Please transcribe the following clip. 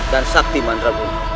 dan saktiman rebun